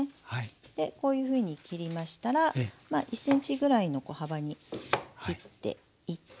でこういうふうに切りましたら１ｃｍぐらいの幅に切っていって。